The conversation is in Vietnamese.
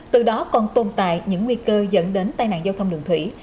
từ đó còn tồn tại những nguy cơ dẫn đến tai nạn giao thông đường thủy